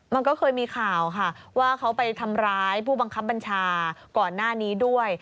มันก็เคยมีข่าวค่ะว่าเขาไปทำร้ายผู้บังคับบัญชาก่อนหน้านี้ด้วย